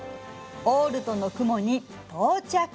オールトの雲に到着！